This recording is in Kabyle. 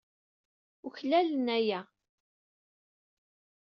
Uklalen aya.